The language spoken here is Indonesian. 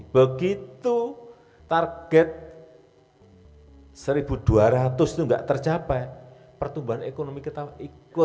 begitu target seribu dua ratus itu enggak tercapai pertumbuhan ekonomi kita ikut